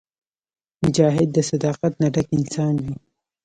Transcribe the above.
مجاهد د صداقت نه ډک انسان وي.